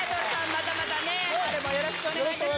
またまたね春もよろしくお願い致しますよ